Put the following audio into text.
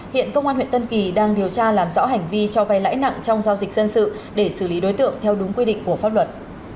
hiện công an huyện tân kỳ đang điều tra làm rõ hành vi cho vay lãi nặng trong giao dịch dân sự để xử lý đối tượng theo đúng quy định của pháp luật